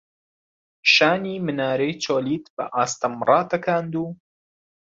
شانی منارەی چۆلیت بە ئاستەم ڕاتەکاند و